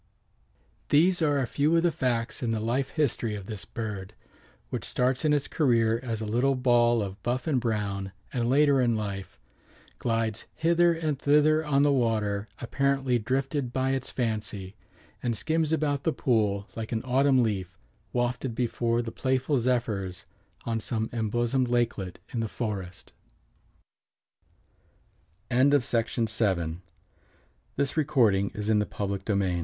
These are a few of the facts in the life history of this bird, which starts in its career as a little ball of buff and brown and later in life "glides hither and thither on the water, apparently drifted by its fancy, and skims about the pool like an autumn leaf wafted before the playful zephyrs on some embosomed lak